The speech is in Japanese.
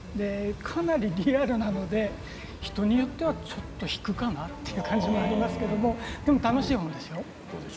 かなりリアルなので人によってはちょっと引くかなという感じもしますけどでも楽しい本ですよ。